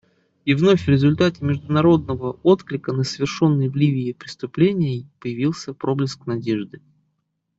И вновь в результате международного отклика на совершенные в Ливии преступления появился проблеск надежды.